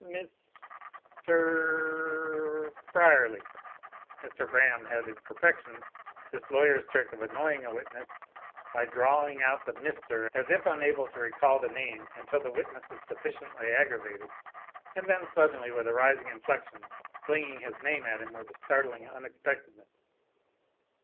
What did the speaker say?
"Mist er.....er Brierly!" (Mr. Braham had in perfection this lawyer's trick of annoying a witness, by drawling out the "Mister," as if unable to recall the name, until the witness is sufficiently aggravated, and then suddenly, with a rising inflection, flinging his name at him with startling unexpectedness.)